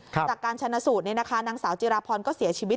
จากการชนะสูตรนางสาวจิราพรก็เสียชีวิต